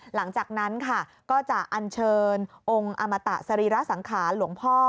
หลังจากนั้นค่ะก็จะอันเชิญองค์อมตะสรีระสังขารหลวงพ่อ